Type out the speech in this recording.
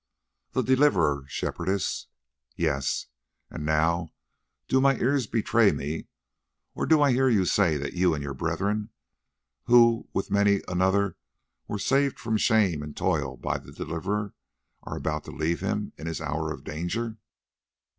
"The Deliverer, Shepherdess." "Yes. And now do my ears betray me, or do I hear you say that you and your brethren, who with many another were saved from shame and toil by the Deliverer, are about to leave him in his hour of danger?"